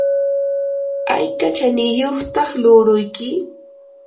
¿ayka chaniyuqtaq luuruyki?